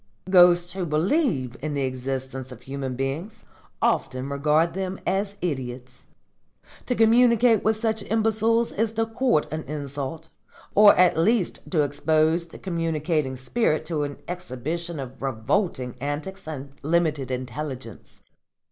Ghosts who believe in the existence of human beings often regard them as idiots. To communicate with such imbeciles is to court an insult, or at least to expose the communicating spirit to an exhibition of revolting antics and limited intelligence.